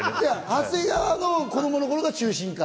長谷川の子供の頃が中心か。